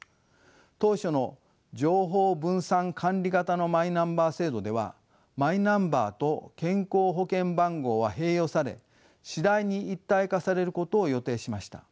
当初の情報分散管理型のマイナンバー制度ではマイナンバーと健康保険番号は併用され次第に一体化されることを予定しました。